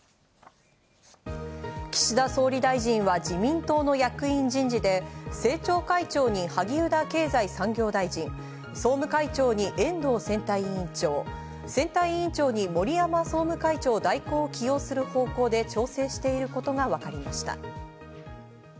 岸田総理大臣は自民党の役員人事で、政調会長に萩生田経済産業大臣、総務会長に遠藤選対委員長、選対委員長に森山総務会長代行を起用する方向で調整していることがわかりました。